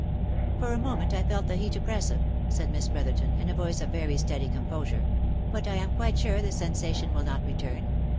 u For a moment I felt the heat oppressive," said Miss Brotherton, in a voice of very steady composure. " But I am quite sure the sen sation will not return.